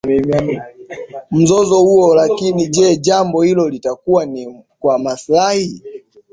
mzozo huo Lakini jee jambo hilo litakuwa ni kwa maslahi